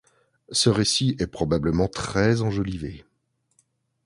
Ce récit est probablement très enjolivé.